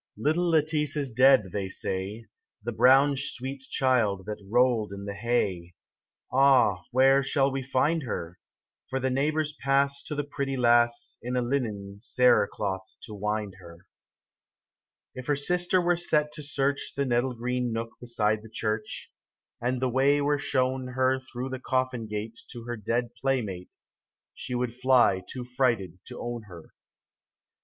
29 LITTLE Lettice is dead, they say, The brown sweet child that rolled in the hay ; Ah, where shall we find her? For the neighbours pass To the pretty lass, In a linen cere cloth to wind her. If her sister were set to search The nettle green nook beside the church, And the way were shown her Through the coffin gate To her dead playmate, She would fly too frighted to own her.